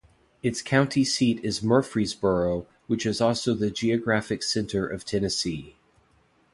Its county seat is Murfreesboro, which is also the geographic center of Tennessee.